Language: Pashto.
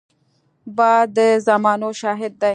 باد د زمانو شاهد دی